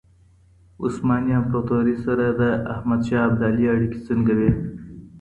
عثماني امپراتورۍ سره د احمد شاه ابدالي اړیکي څنګه وې؟